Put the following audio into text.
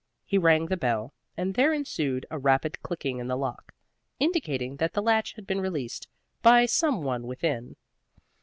He rang the bell, and there ensued a rapid clicking in the lock, indicating that the latch had been released by some one within.